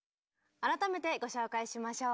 改めてご紹介しましょう。